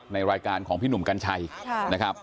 ในรายการของพี่หนุ่มกัญชัยนะครับ